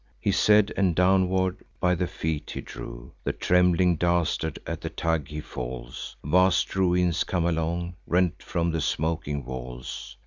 He said, and downward by the feet he drew The trembling dastard; at the tug he falls; Vast ruins come along, rent from the smoking walls.